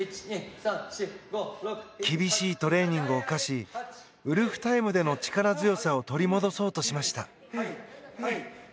厳しいトレーニングを課しウルフタイムでの力強さを取り戻そうとしました。